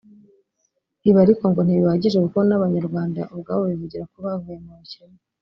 Ibi ariko ngo ntibihagije kuko ngo n’Abanyarwanda ubwabo bivugira ko bavuye mu bukene